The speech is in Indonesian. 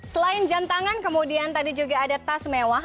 selain jam tangan kemudian tadi juga ada tas mewah